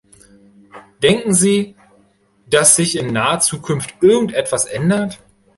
Denken Sie, dass sich in naher Zukunft irgend etwas ändert?